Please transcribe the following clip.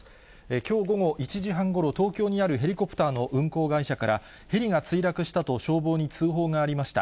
きょう午後１時半ごろ、東京にあるヘリコプターの運航会社から、ヘリが墜落したと消防に通報がありました。